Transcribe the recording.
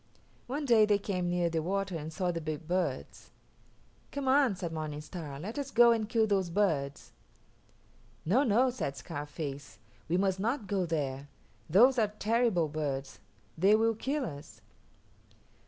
One day they came near the water and saw the big birds. "Come on," said Morning Star, "let us go and kill those birds." "No, no," said Scarface, "we must not go there. Those are terrible birds; they will kill us."